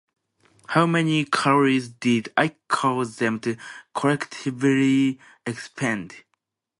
How many calories did I cause them to collectively expend?